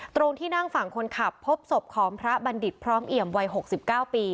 ตรงที่นั่งฝั่งคนขับพบศพของพระบัณฑิตพร้อมเอี่ยมวัย๖๙ปี